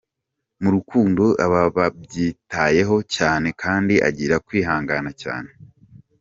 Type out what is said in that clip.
Mu rukundo, aba abyitayeho cyane kandi agira kwihangana cyane.